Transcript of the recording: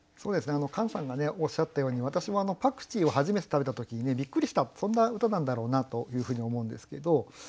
カンさんがおっしゃったように私もパクチーを初めて食べた時にびっくりしたそんな歌なんだろうなというふうに思うんですけど